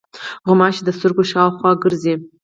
غوماشې د سترګو شاوخوا ګرځي.